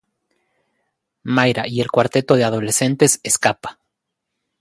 Myra y el cuarteto de adolescentes escapa.